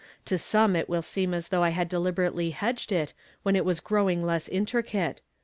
To some it will seem as though I had deliberately hedged it, when it was growing less intricate.